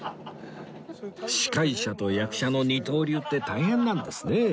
司会者と役者の二刀流って大変なんですね